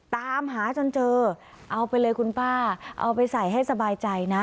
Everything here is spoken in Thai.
ตามหาจนเจอเอาไปเลยคุณป้าเอาไปใส่ให้สบายใจนะ